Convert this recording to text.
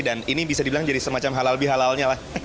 dan ini bisa dibilang jadi semacam halal bihalalnya